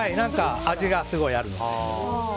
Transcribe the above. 味がすごいあるので。